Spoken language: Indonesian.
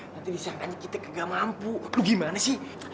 nanti disangkanya kita gak mampu lu gimana sih